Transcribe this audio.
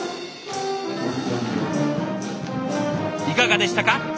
いかがでしたか。